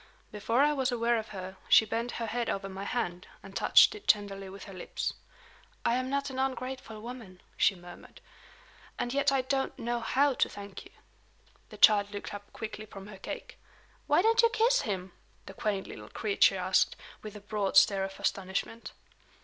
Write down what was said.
Before I was aware of her, she bent her head over my hand, and touched it tenderly with her lips. "I am not an ungrateful woman," she murmured "and yet I don't know how to thank you." The child looked up quickly from her cake. "Why don't you kiss him?" the quaint little creature asked, with a broad stare of astonishment.